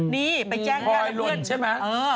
นี่ไปแจ้งกับเพื่อน